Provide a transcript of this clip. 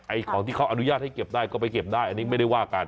ของที่เขาอนุญาตให้เก็บได้ก็ไปเก็บได้อันนี้ไม่ได้ว่ากัน